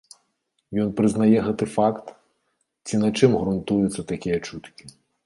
Ён прызнае гэты факт, ці на чым грунтуюцца такія чуткі?